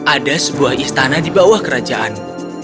ada sebuah istana di bawah kerajaanmu